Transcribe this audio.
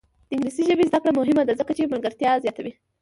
د انګلیسي ژبې زده کړه مهمه ده ځکه چې ملګرتیا زیاتوي.